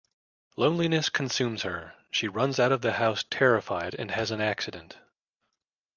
Loneliness consumes her, she runs out of the house terrified and has an accident.